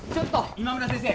今村先生